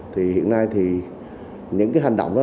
thì hiện nay thì những cái hành động đó